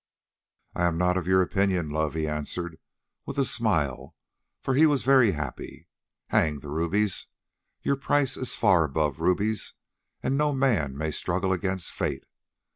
"I am not of your opinion, love," he answered with a smile for he was very happy. "Hang the rubies! Your price is far above rubies, and no man may struggle against fate.